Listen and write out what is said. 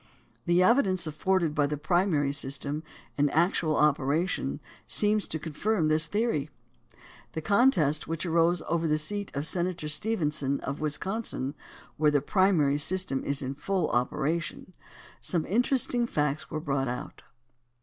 The evidence afforded by the primary system in actual operation seems to confirm this theory. In the con test which arose over the seat of Senator Stephenson, of Wisconsin, where the primary system is in full 100 COMPULSORY INITIATIVE AND REFERENDUM operation, some interesting facts were brought out.